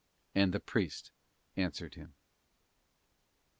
And the Priest answered him.